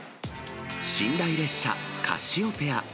寝台列車、カシオペア。